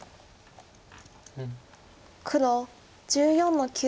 黒１４の九。